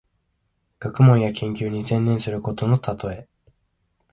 学問や研究に専念することのたとえ。